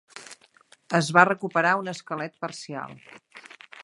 Es va recuperar un esquelet parcial.